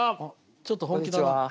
ちょっと本気だな。